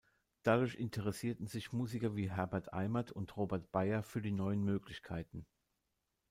Dadurch interessierten sich Musiker wie Herbert Eimert und Robert Beyer für die neuen Möglichkeiten.